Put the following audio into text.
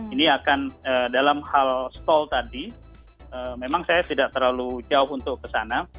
ini akan dalam hal stall tadi memang saya tidak terlalu jauh untuk ke sana